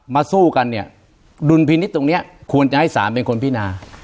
สู้กันเนี่ยดุลพินิษฐ์ตรงนี้ควรจะให้ศาลเป็นคนพินา